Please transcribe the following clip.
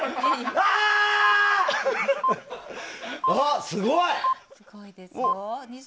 わあ、すごい！